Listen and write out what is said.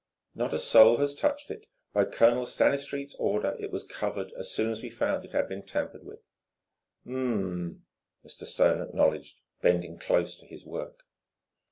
"Not a soul has touched it. By Colonel Stanistreet's order it was covered as soon as we found it had been tampered with." "Um m," Mr. Stone acknowledged, bending close to his work.